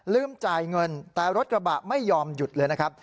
จ่ายเงินแต่รถกระบะไม่ยอมหยุดเลยนะครับ